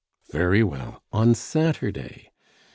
"Very well, on Saturday.